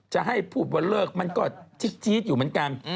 จะให้พูดว่าเลิกมันก็จี๊ดอยู่เหมือนกัน